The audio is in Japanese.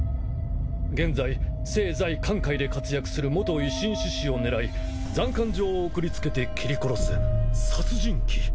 現在政・財・官界で活躍する元維新志士を狙い斬奸状を送りつけて斬り殺す殺人鬼。